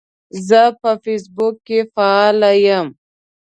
زه په فیسبوک کې فعال یم.